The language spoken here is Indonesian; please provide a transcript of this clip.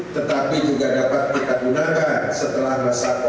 tetapi juga dapat digunakan setelah masa covid sembilan belas